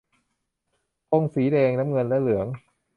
ธงสีแดง น้ำเงิน และเหลือง